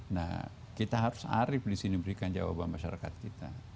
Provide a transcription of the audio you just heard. nah kita harus arif di sini berikan jawaban masyarakat kita